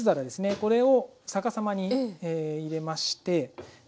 これを逆さまに入れましてで